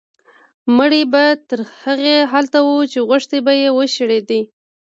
مړی به تر هغې هلته و چې غوښې به یې وشړېدې.